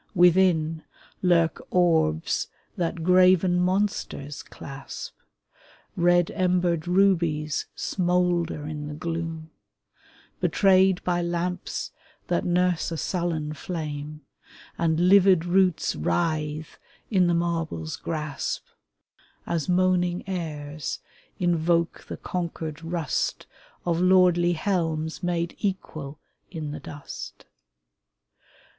Within, lurk orbs that graven monsters clasp; Red embered rubies smolder in the gloom, Betrayed by lamps that nurse a sullen flame, And livid roots writhe in the marble's grasp, As moaning airs invoke the conquered rust Of lordly helms made equal in the dust.